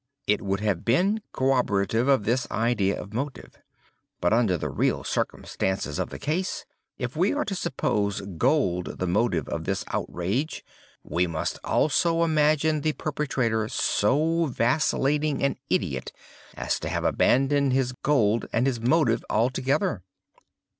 It would have been corroborative of this idea of motive. But, under the real circumstances of the case, if we are to suppose gold the motive of this outrage, we must also imagine the perpetrator so vacillating an idiot as to have abandoned his gold and his motive together.